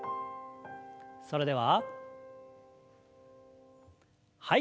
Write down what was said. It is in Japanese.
それでははい。